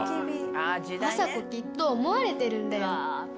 あさこ、きっと思われてるんだよ。